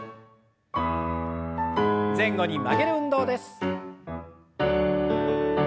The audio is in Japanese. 前後に曲げる運動です。